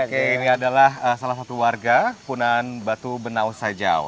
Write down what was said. oke ini adalah salah satu warga punan batu benau sajau